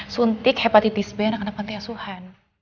suntik hepatitis b anak anak pantai asuhan